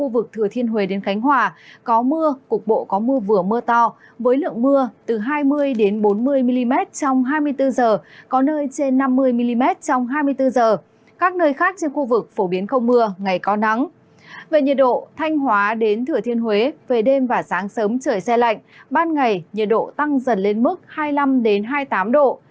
về nhiệt độ thanh hóa đến thừa thiên huế về đêm và sáng sớm trời xe lạnh ban ngày nhiệt độ tăng dần lên mức hai mươi năm hai mươi tám độ